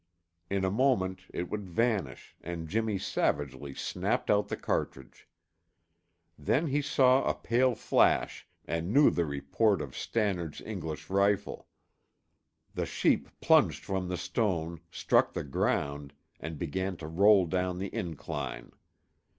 In a moment it would vanish and Jimmy savagely snapped out the cartridge. Then he saw a pale flash and knew the report of Stannard's English rifle. The sheep plunged from the stone, struck the ground, and began to roll down the incline.